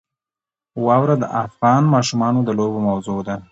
واوره د افغان ماشومانو د لوبو موضوع ده.